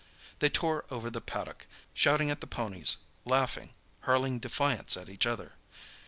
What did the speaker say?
They tore over the paddock, shouting at the ponies laughing, hurling defiance at each other.